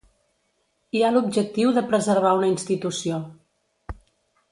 Hi ha l’objectiu de preservar una institució.